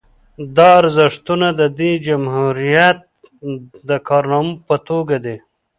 دا ارزښتونه د دې جمهوریت د کارنامو په توګه دي